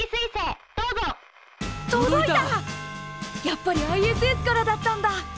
やっぱりＩＳＳからだったんだ。